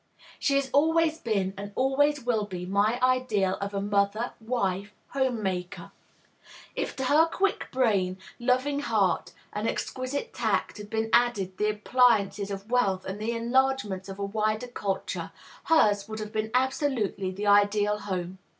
She has always been and always will be my ideal of a mother, wife, home maker. If to her quick brain, loving heart, and exquisite tact had been added the appliances of wealth and the enlargements of a wider culture, hers would have been absolutely the ideal home.